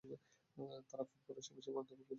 তারা ফোন করার সময় সে বারান্দায় অপেক্ষা করছিল।